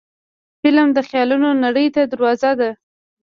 فلم د خیالونو نړۍ ته دروازه ده